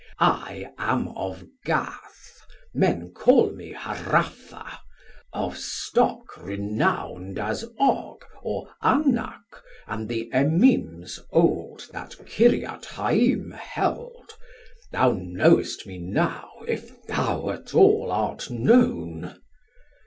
I am of Gath, Men call me Harapha, of stock renown'd As Og or Anak and the Emims old 1080 That Kiriathaim held, thou knowst me now If thou at all art known.